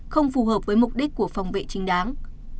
không phù hợp với mục đích của phòng vệ chính đáng